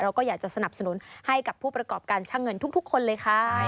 เราก็อยากจะสนับสนุนให้กับผู้ประกอบการช่างเงินทุกคนเลยค่ะ